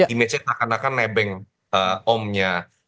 image nya tak akan akan nebeng omnya